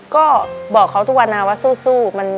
ก็บอกเขาทุกวันนะว่าสู้